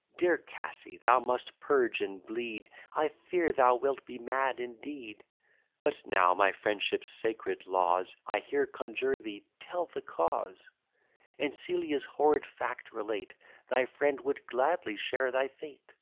" Dear Cassy, thou must purge and bleed; I fear thou wilt be mad indeed. But now, by friendship's sacred laws, I here conjure thee, tell the cause; And Celia's horrid fact relate: Thy friend would gladly share thy fate.